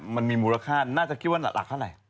มันมีมูลค่าน่าจะคิดว่าหลักเท่าไหร่